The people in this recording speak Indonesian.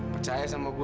percaya sama gue